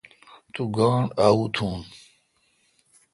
تو گاݨڈ شور تھون۔